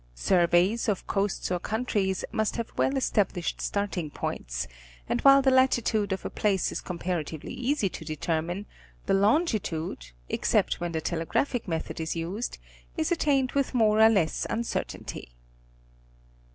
; Surveys, of coasts or countries must have well established starting points, and while the latitude of a place is comparatively easy to determine, the longitude, except when the telegraphic method is used, is attended with more or less uncertainty.